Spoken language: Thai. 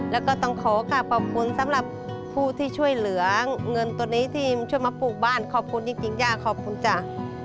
แล้วก็ต้องขอกลับขอบคุณสำหรับผู้ที่ช่วยเหลือเงินตัวนี้ที่ช่วยมาปลูกบ้านขอบคุณจริงย่าขอบคุณจ้ะ